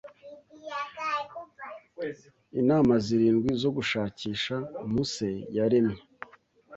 Inama zirindwi zo Gushakisha Muse Yaremye